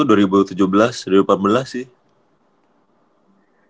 ya reguler gitu atau baru tahun fakultas gitu